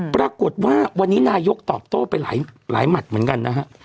ปรากฏว่าวันนี้นายกตอบโต้ไปหลายหมัดเหมือนกันนะฮะ